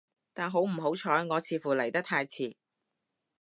但好唔好彩，我似乎嚟得太遲